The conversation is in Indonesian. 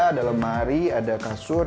ada lemari ada kasur